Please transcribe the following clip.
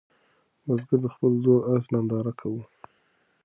بزګر د خپل زوړ آس ننداره کوله.